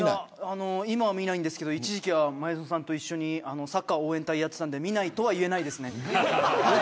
今は見ないんですけど一時期は前園さんと一緒にサッカー応援隊をやっていたので見ないとは言えないですね。